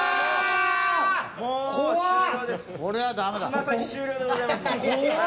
つま先終了でございます